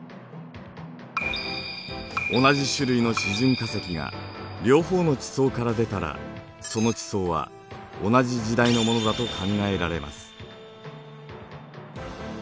同じ種類の示準化石が両方の地層から出たらその地層は同じ時代のものだと考えられます。